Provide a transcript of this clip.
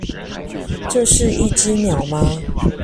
這是一隻鳥嗎？